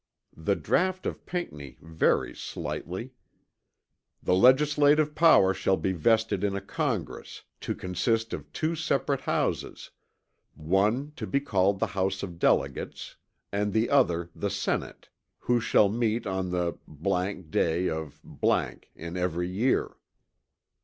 The draught of Pinckney varies slightly; "The legislative power shall be vested in a Congress, to consist of two separate houses; one to be called the house of Delegates; and the other the Senate, who shall meet on the day of in every year."